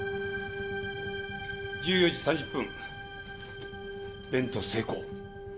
１４時３０分ベント成功。